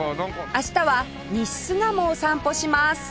明日は西巣鴨を散歩します